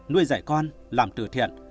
nuôi dạy con làm từ thiện